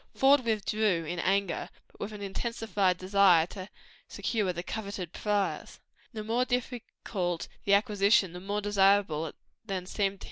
Faude withdrew in anger, but with an intensified desire to secure the coveted prize; the more difficult of acquisition, the more desirable it seemed.